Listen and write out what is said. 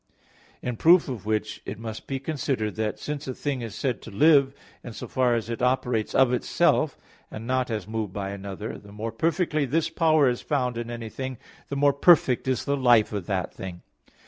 In proof of which it must be considered that since a thing is said to live in so far as it operates of itself and not as moved by another, the more perfectly this power is found in anything, the more perfect is the life of that thing.